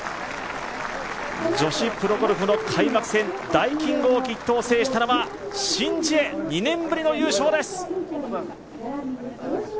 女子プロゴルフの開幕戦ダイキンオーキッドを制したのはシン・ジエ２年ぶりの優勝です。